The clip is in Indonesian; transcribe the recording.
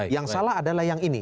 yang salah adalah yang ini